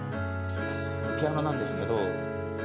ピアノなんですけど。